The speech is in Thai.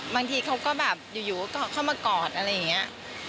บางทีเขาก็แบบอยู่ก็เข้ามากอดอะไรอย่างนี้